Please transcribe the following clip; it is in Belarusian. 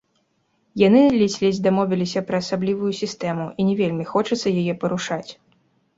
Яны ледзь-ледзь дамовіліся пра асаблівую сістэму і не вельмі хочацца яе парушаць.